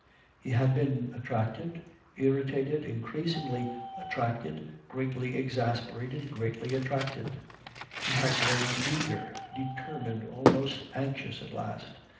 He had been attracted, irritated, increasingly attracted, greatly exasperated, greatly attracted. He had grown eager, determined, almost anxious at last.